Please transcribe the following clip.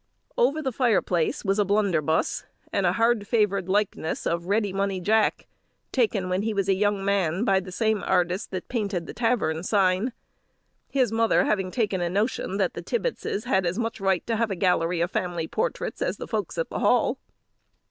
Over the fireplace was a blunderbuss, and a hard favoured likeness of Ready Money Jack, taken, when he was a young man, by the same artist that painted the tavern sign; his mother having taken a notion that the Tibbetses had as much right to have a gallery of family portraits as the folks at the Hall.